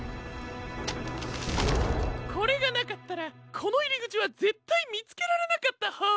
これがなかったらこのいりぐちはぜったいみつけられなかったホォー。